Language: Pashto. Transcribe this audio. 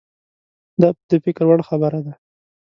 دا د فکر وړ خبره ده.